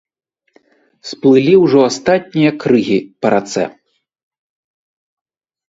Сплылі ўжо астатнія крыгі па рацэ.